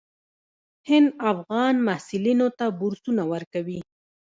هند افغان محصلینو ته بورسونه ورکوي.